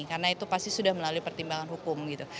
karena itu pasti sudah melalui pertimbangan hukum gitu